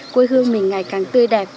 quê hương mình ngày càng tươi đẹp